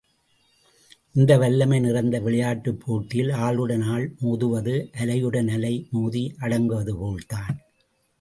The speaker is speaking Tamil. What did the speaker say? இந்த வல்லமை நிறைந்த விளையாட்டுப் போட்டியில், ஆளுடன் ஆள் மோதுவது, அலையுடன் அலை மோதி அடங்குவதுபோல்தான்.